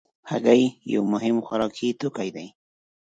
هګۍ یو مهم خوراکي توکی دی.